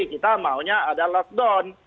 kita maunya ada lockdown